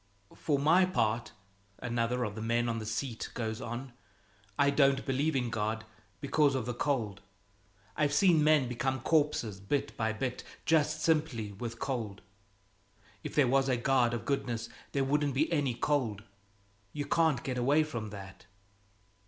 "For my part," another of the men on the seat goes on, "I don't believe in God because of the cold. I've seen men become corpses bit by bit, just simply with cold. If there was a God of goodness, there wouldn't be any cold. You can't get away from that."